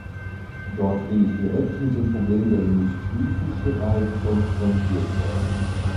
Dort bin ich direkt mit dem Problem der Industriefischerei konfrontiert worden.